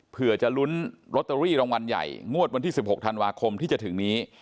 เพื่อจะลุ้นลอตเตอรี่รางวัลใหญ่งวดวันที่๑๖ธันวาคมที่จะถึงนี้